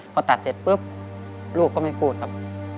พอตัดเสร็จปุ๊บลูกก็ไม่พูดครับ